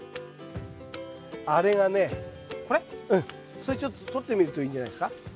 それちょっととってみるといいんじゃないですか？